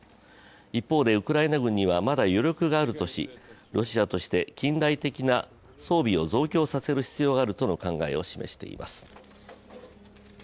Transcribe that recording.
一方で、ウクライナ軍にはまだ余力があるとし、ロシアとして近代的な装備を増強させる必要があるとの考えを示しました。